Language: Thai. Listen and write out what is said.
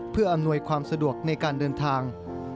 เพื่ออำนวยความสะดวกในการเดินทาง